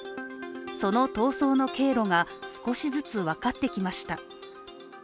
その逃走の経路が少しずつ分かってきました。